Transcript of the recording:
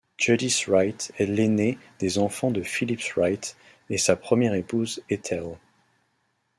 Judith Wright est l'aînée des enfants de Phillip Wright et sa première épouse Ethel.